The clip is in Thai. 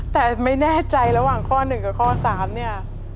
แต่ไม่แน่ใจระหว่างข้อ๑กับข้อ๓เนี่ย